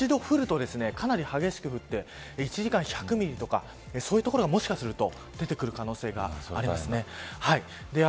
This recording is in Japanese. かなり広い範囲で一度降るとかなり激しく降って１時間に１００ミリとかそういう所がもしかすると出てくる可能性があります。